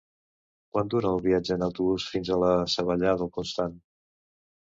Quant dura el viatge en autobús fins a Savallà del Comtat?